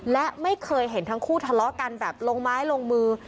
และไม่เคยเห็นทั้งคู่ทะเลาะกันแบบลงไม้ลงมือ